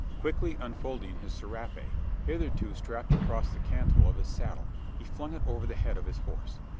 Quickly unfolding his serape hitherto strapped across the cantle of his saddle he flung it over the head of his horse.